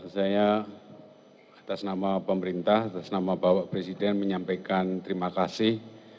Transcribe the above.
saya atas nama pemerintah atas nama bapak presiden menyampaikan terima kasih